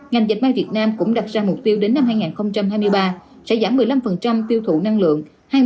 ngành dịch may việt nam cũng đặt ra mục tiêu đến năm hai nghìn hai mươi ba sẽ giảm một mươi năm tiêu thụ năng lượng